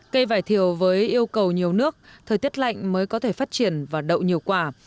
cây vải thiều với yêu cầu nhiều nước thời tiết lạnh mới có thể phát triển và đậu nhiều quả